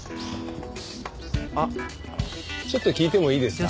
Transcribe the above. あっちょっと聞いてもいいですか？